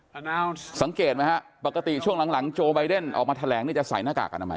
เอาสังเกตไหมฮะปกติช่วงหลังหลังโจไบเดนออกมาแถลงนี่จะใส่หน้ากากอนามัย